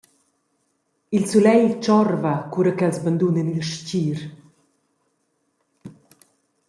Il sulegl tschorva cura ch’els bandunan il stgir.